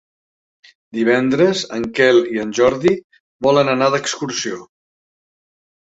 Divendres en Quel i en Jordi volen anar d'excursió.